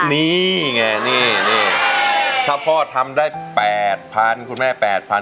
นี่ไงนี่นี่ถ้าพ่อทำได้แปดพันคุณแม่แปดพัน